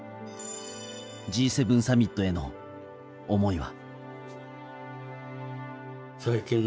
Ｇ７サミットへの思いは。